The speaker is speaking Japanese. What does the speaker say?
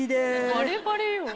バレバレよ。